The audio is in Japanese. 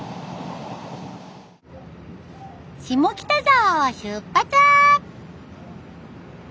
下北沢を出発！